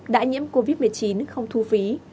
đại nhiễm covid một mươi chín không thu phí